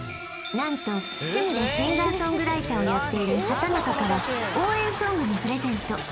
何と趣味でシンガーソングライターをやっている畠中から応援ソングのプレゼント